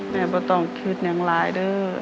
ไม่ต้องคืนอย่างร้ายด้วย